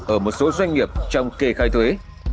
ở một số doanh nghiệp trong kề khai thuế